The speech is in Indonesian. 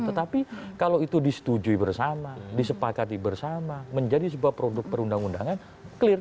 tetapi kalau itu disetujui bersama disepakati bersama menjadi sebuah produk perundang undangan clear